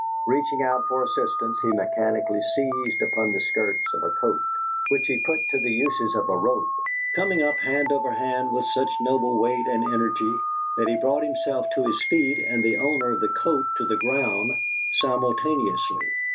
Reaching out for assistance, he mechanically seized upon the skirts of a coat, which he put to the uses of a rope, coming up hand over hand with such noble weight and energy that he brought himself to his feet and the owner of the coat to the ground simultaneously.